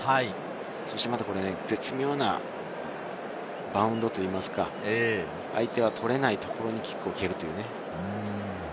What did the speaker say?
そして絶妙なバウンドといいますか、相手が取れないところにキックを蹴る。